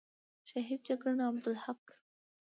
شهید جگړن عبدالحق،